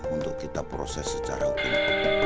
untuk kita proses secara hukum